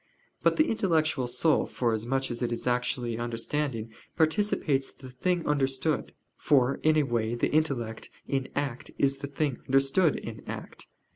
But the intellectual soul forasmuch as it is actually understanding, participates the thing understood: for, in a way, the intellect in act is the thing understood in act.